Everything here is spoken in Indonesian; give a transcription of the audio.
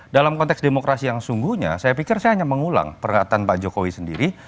dalam konteks demokrasi yang sungguhnya saya pikir saya hanya mengulang pernyataan pak jokowi sendiri